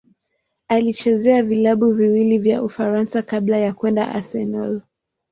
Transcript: Alichezea vilabu viwili vya Ufaransa kabla ya kwenda Arsenal.